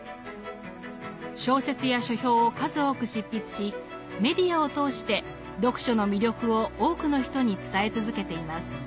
小説や書評を数多く執筆しメディアを通して読書の魅力を多くの人に伝え続けています。